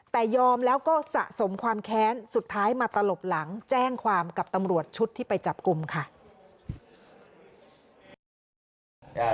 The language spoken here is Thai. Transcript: แต่ยอมแล้วก็สะสมความแค้นสุดท้ายมาตลบหลังแจ้งความกับตำรวจชุดที่ไปจับกลุ่มค่ะ